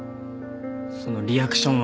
そのリアクションは。